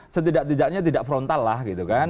setidak tidaknya tidak frontal lah gitu kan